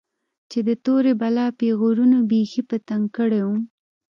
چې د تورې بلا پيغورونو بيخي په تنگ کړى وم.